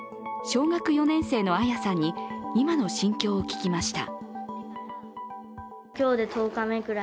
小学４年生の亜弥さんに今の心境を聞きました。